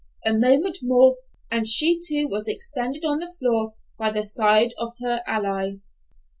A moment more, and she too was extended on the floor by the side of her ally.